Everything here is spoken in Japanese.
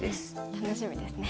楽しみですね。